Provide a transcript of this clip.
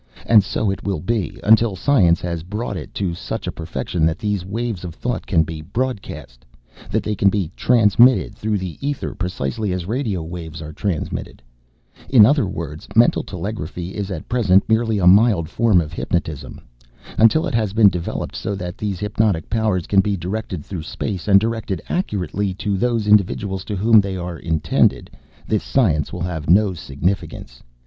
"And so it will be, until science has brought it to such a perfection that these waves of thought can be broadcast that they can be transmitted through the ether precisely as radio waves are transmitted. In other words, mental telegraphy is at present merely a mild form of hypnotism. Until it has been developed so that those hypnotic powers can be directed through space, and directed accurately to those individuals to whom they are intended, this science will have no significance.